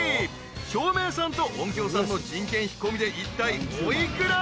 ［照明さんと音響さんの人件費込みでいったいお幾ら？］